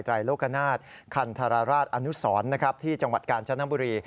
ไรโลกนาฏคันธรราชอนุสรที่จังหวัดกาญจนบุรี